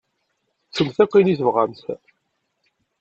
Ččemt akk ayen i tebɣamt.